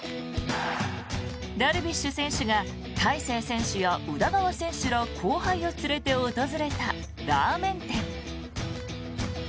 ダルビッシュ選手が大勢選手や宇田川選手ら後輩を連れて訪れたラーメン店。